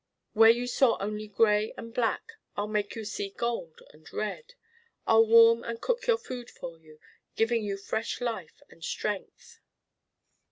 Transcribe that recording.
Where you saw only gray and black I'll make you see gold and red. I'll warm and cook your food for you, giving you fresh life and strength.